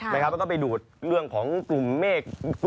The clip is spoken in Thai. แล้วก็ไปดูดเรื่องของกลุ่มเมฆ